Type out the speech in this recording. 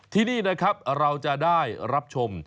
ที่นี่นะครับเราจะได้รับชม